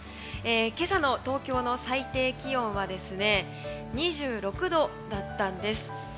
今朝の東京の最低気温は２６度だったんです。